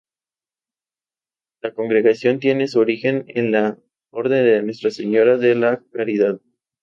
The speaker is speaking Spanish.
La congregación tiene su origen en la Orden de Nuestra Señora de la Caridad.